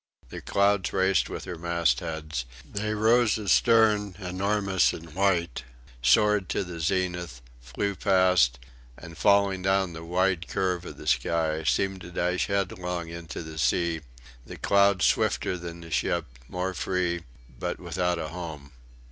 The clouds raced with her mastheads; they rose astern enormous and white, soared to the zenith, flew past, and falling down the wide curve of the sky, seemed to dash headlong into the sea the clouds swifter than the ship, more free, but without a home.